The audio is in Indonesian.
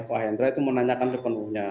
pak hendra itu menanyakan sepenuhnya